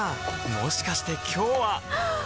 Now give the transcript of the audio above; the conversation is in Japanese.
もしかして今日ははっ！